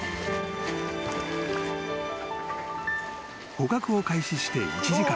［捕獲を開始して１時間］